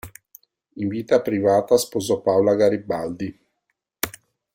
In vita privata sposò Paola Garibaldi.